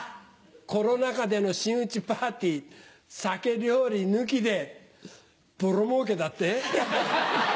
コロナ禍での真打ちパーティー酒料理抜きでぼろ儲けだって？